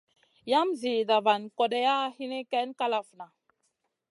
Yam zida van kodeya hini ken ma kalafna.